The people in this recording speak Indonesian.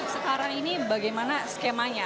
sekarang ini bagaimana skemanya